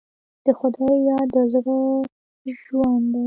د خدای یاد د زړه ژوند دی.